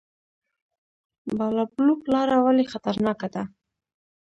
بالابلوک لاره ولې خطرناکه ده؟